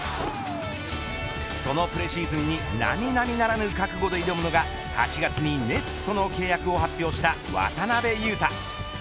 そのプレシーズンに並々ならぬ覚悟で挑むのが８月にネッツとの契約を発表した渡邊雄太。